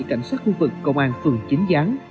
cảnh sát khu vực công an phường chính gián